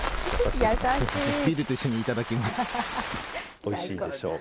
おいしいでしょ。